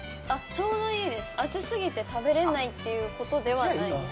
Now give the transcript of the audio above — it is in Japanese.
ちょうどいいです熱すぎて食べれないっていうことではないです